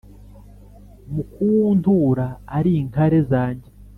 Mukuwuntura ari inkare zanjye